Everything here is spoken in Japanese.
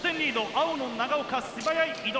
青の長岡素早い移動。